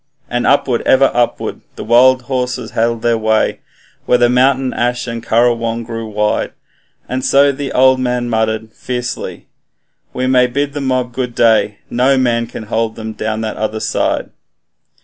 And upward, ever upward, the wild horses held their way, Where mountain ash and kurrajong grew wide; And the old man muttered fiercely, 'We may bid the mob good day, NO man can hold them down the other side.'